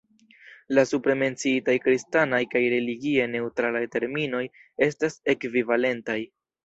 La supre menciitaj kristanaj kaj religie neŭtralaj terminoj estas ekvivalentaj.